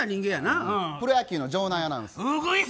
プロ野球の場内アナウンス。